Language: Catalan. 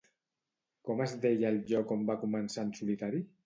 Com es deia el lloc on va començar en solitari?